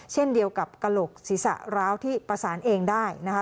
เช่นเดียวกับกะโหลกศรีษะเหลาที่ประสานเองได้